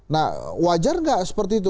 nah wajar nggak seperti itu